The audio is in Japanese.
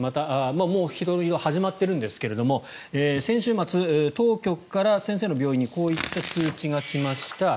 もう人の移動は始まっているんですが先週末、当局から先生の病院にこういった通知が来ました。